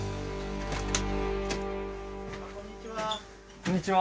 こんにちは。